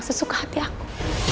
sesuka hati aku